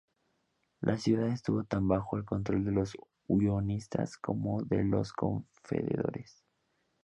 La ciudad estuvo tanto bajo el control de los unionistas como de los confederados.